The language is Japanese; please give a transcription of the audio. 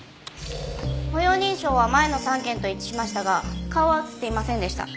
歩容認証は前の３件と一致しましたが顔は映っていませんでした。